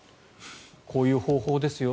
こういう方法ですよ